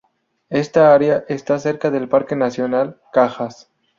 Esta área está cerca del Parque nacional Cajas.